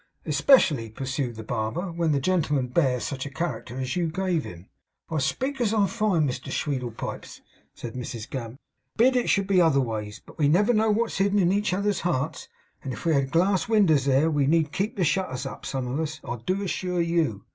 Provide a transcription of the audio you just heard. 'Especially,' pursued the barber, 'when the gentleman bears such a character as you gave him.' 'I speak; as I find, Mr Sweedlepipes,' said Mrs Gamp. 'Forbid it should be otherways! But we never knows wot's hidden in each other's hearts; and if we had glass winders there, we'd need keep the shetters up, some on us, I do assure you!